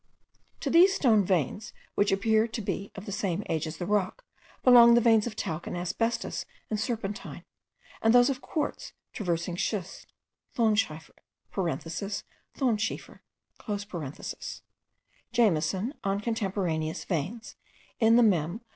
To these stone veins which appear to be of the same age as the rock, belong the veins of talc and asbestos in serpentine, and those of quartz traversing schist (Thonschiefer). Jameson on Contemporaneous Veins, in the Mem.